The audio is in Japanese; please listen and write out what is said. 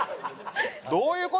どういう事？